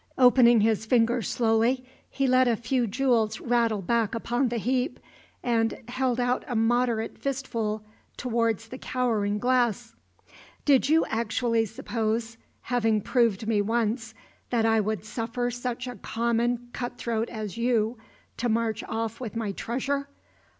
Opening his fingers slowly, he let a few jewels rattle back upon the heap, and held out a moderate fistful towards the cowering Glass. "Did you actually suppose, having proved me once, that I would suffer such a common cut throat as you to march off with my treasure?